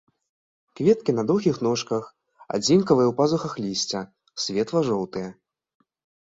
Кветкі на доўгіх ножках, адзінкавыя ў пазухах лісця, светла-жоўтыя.